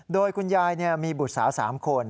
โดยคุณยายมีบุตรสาว๓คน